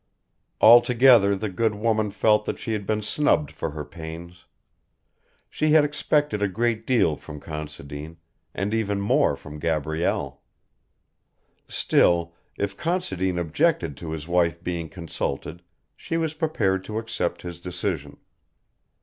Altogether the good woman felt that she had been snubbed for her pains. She had expected a great deal from Considine, and even more from Gabrielle. Still, if Considine objected to his wife being consulted, she was prepared to accept his decision.